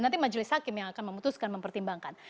nanti majelis hakim yang akan memutuskan mempertimbangkan